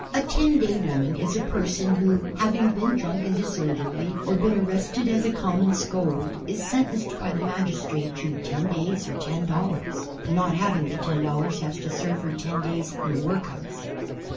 A ten day woman is a person who, having been drunk and dis orderly or been arrested as a common scold, is sentenced by the magistrate to "ten days or ten dollars," and not having the ten dollars has to serve her ten days in the workhouse.